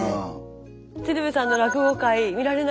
鶴瓶さんの落語会見られなくて。